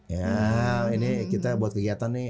ya ini kita buat kegiatan nih